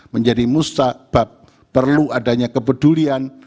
menjadi mustabab perlu adanya kepedulian